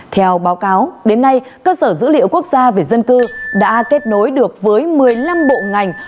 theo báo cáo đến nay cơ sở dữ liệu quốc gia về dân cư đã kết nối được với một mươi năm bộ ngành